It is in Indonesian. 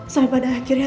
sampai pada akhirnya